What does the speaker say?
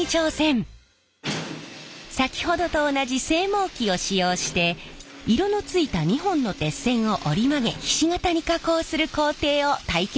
先ほどと同じ製網機を使用して色のついた２本の鉄線を折り曲げひし形に加工する工程を体験します。